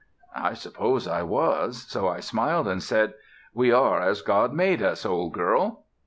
I suppose I was. So I smiled and said: "We are as God made us, old girl."